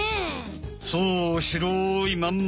そうしろいまんま